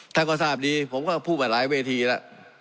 ถ้าคุณทราบดีผมก็พูดมาหลายเวทีละ